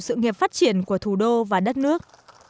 sự nghiệp phát triển của thủ đô và đất nước